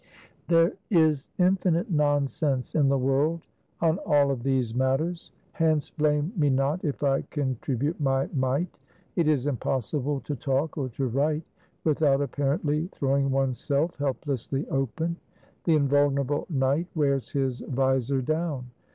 There is infinite nonsense in the world on all of these matters; hence blame me not if I contribute my mite. It is impossible to talk or to write without apparently throwing oneself helplessly open; the Invulnerable Knight wears his visor down.